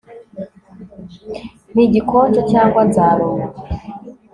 mpa igikonjo, cyangwa nzaruma